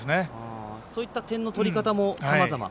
そういった点の取り方もさまざま。